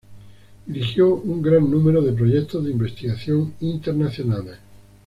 Dirigió un gran número de proyectos de investigación internacionales.